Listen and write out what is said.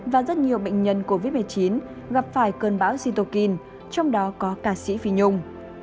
và rất nhiều bệnh nhân covid một mươi chín gặp phải cơn bão zitokin trong đó có ca sĩ phi nhung